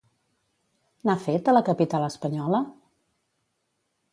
N'ha fet a la capital espanyola?